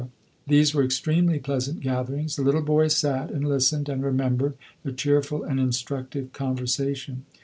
These were extremely pleasant gatherings. The little boys sat and listened, and remembered the cheerful and instructive conversation.